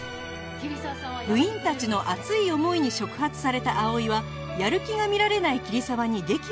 部員たちの熱い思いに触発された葵はやる気が見られない桐沢に檄を飛ばします